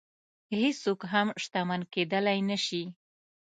هېڅوک هم شتمن کېدلی نه شي.